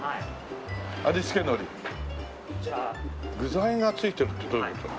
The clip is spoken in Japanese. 具材がついてるってどういう事だろう。